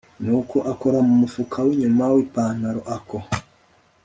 nuko akora mumufuka winyuma wipanaro, ako